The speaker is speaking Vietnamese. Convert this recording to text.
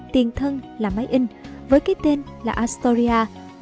tiền thân là máy in với cái tên là astoria một trăm linh hai nghìn hai trăm ba mươi tám